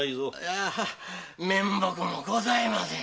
面目もございません。